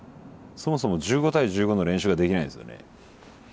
そもそも１５対１５の練習ができないんですよね。